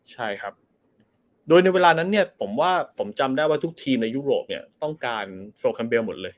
ใช่ครับโดยในเวลานั้นเนี่ยผมว่าผมจำได้ว่าทุกทีมในยุโรปเนี่ยต้องการโซแคมเบลหมดเลย